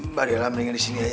mbak dela mendingan di sini aja